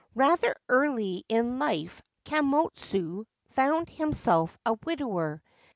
Rather early in life Kammotsu found himself a widower.